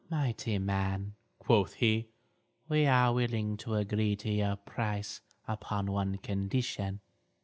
"Mighty man," quoth he, "we are willing to agree to your price upon one condition.